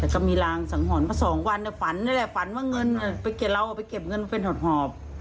แต่ก็มีลางสังหรณ์สองวันเนี่ยฝันเลยฝันว่าเข้าไปเก็บเงินก็เป็นหอดหอบ